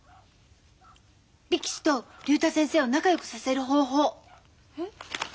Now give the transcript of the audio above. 力士と竜太先生を仲よくさせる方法。え？